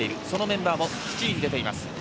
そのメンバーも７人出ています。